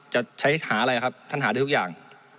จะใช้หาอะไรครับท่านหาได้ทุกอย่าง